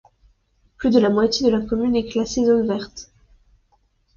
Plus de la moitié de la commune est classée zone verte.